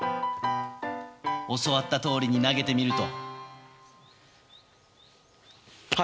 教わったとおりに投げてみると。